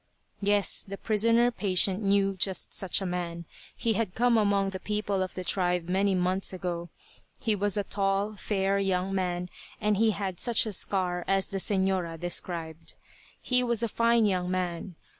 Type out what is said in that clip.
Yes, the prisoner patient knew just such a man. He had come among the people of the tribe many months ago. He was a tall, fair young man, and he had such a scar as the "señora," described. He was a fine young man.